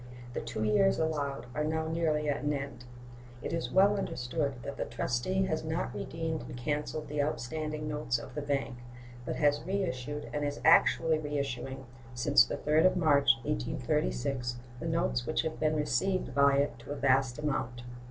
The two years allowed are now nearly at an end. It is well understood that the trustee has not redeemed and canceled the outstanding notes of the bank, but has reissued and is actually reissuing, since the 3d of March, 1836, the notes which have been received by it to a vast amount.